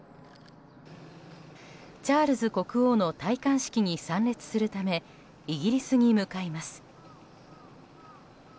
チャールズ国王の戴冠式に参列するためイギリスに向かいます。